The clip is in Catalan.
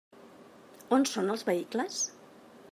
On són els vehicles?